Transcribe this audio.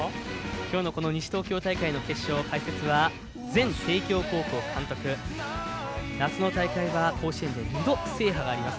今日の西東京大会の解説は前帝京高校監督、夏の大会は甲子園で２度制覇があります